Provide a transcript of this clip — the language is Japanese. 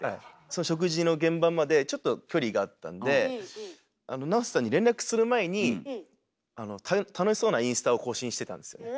その食事の現場までちょっと距離があったんでＮＡＯＴＯさんに連絡する前に楽しそうなインスタを更新してたんですよね。